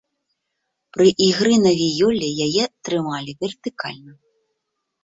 Пры ігры на віёле яе трымалі вертыкальна.